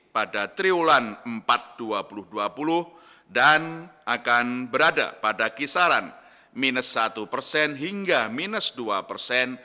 pada triwulan empat dua ribu dua puluh dan akan berada pada kisaran minus satu persen hingga minus dua persen